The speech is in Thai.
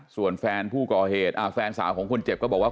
ส่วนแฟนผู้ก่อเหตุแฟนสาวของคนเจ็บก็บอกว่า